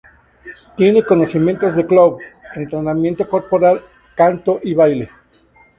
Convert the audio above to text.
Tiene conocimientos de clown, entrenamiento corporal, canto y baile.